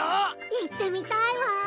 行ってみたいわ。